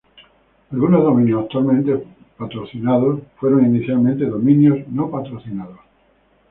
Algunos dominios actualmente patrocinados fueron inicialmente dominios no patrocinados.